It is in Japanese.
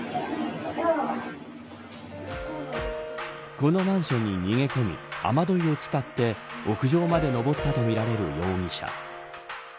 このマンションに逃げ込み雨どいを伝って屋上まで登ったとみられる容疑者。